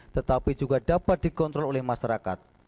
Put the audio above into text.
tetapi juga dapat dikontrol oleh masyarakat